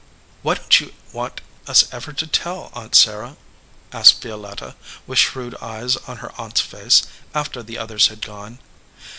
"Why don t you want us ever to tell, Aunt Sarah?" asked Violetta, with shrewd eyes on her aunt s face, after the others had gone.